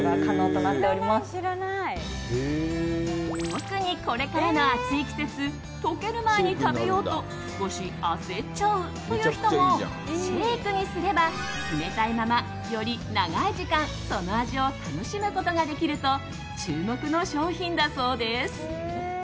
特に、これからの暑い季節溶ける前に食べようと少し焦っちゃうという人もシェイクにすれば冷たいままより長い時間、その味を楽しむことができると注目の商品だそうです。